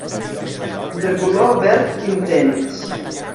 De color verd intens.